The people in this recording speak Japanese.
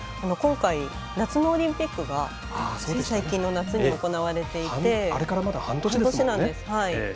今回、夏のオリンピックがつい最近の夏に行われていてあれから半年なんです。